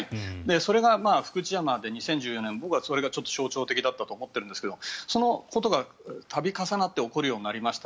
それが福知山で２０１４年僕はそれが象徴的だったと思っていますがそういうことが度重なって起こるようになりました。